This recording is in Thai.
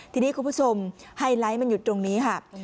ทีนี้คุณผู้ชมไฮไลท์มันอยู่ตรงนี้ค่ะ